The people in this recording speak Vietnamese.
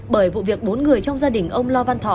bởi vụ việc bốn người trong gia đình ông lo văn thọ